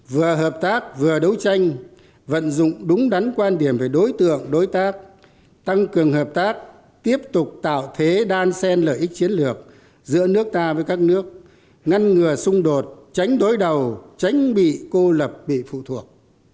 vừa hợp tác vừa đấu tranh vận dụng đúng đắn quan điểm về đối tượng đối tác tăng cường hợp tác tiếp tục tạo thế đan sen lợi ích chiến lược giữa nước ta với các nước ngăn ngừa xung đột tránh đối đầu tránh bị cô lập bị phụ thuộc